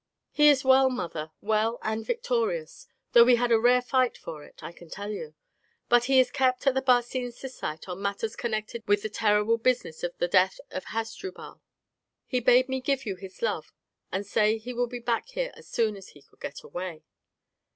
"He is well, mother, well and victorious, though we had a rare fight for it, I can tell you. But he is kept at the Barcine Syssite on matters connected with this terrible business of the death of Hasdrubal. He bade me give you his love, and say he would be back here as soon as he could get away."